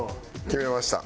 決めました。